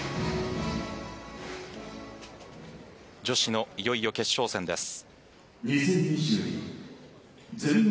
女子のいよいよ決勝戦です。